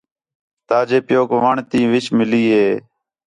تاجے پِیؤک وݨ تی وِچ مِلی ہِے